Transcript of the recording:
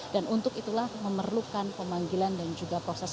dan untuk itulah memerlukan pemanggilan dan juga proses